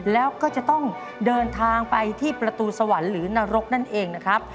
แล้วก็จะต้องเดินทางไปที่ประตูสวรรค์หรือนรกนั่นเองนะครับ